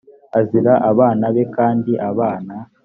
azira abana be kandi abana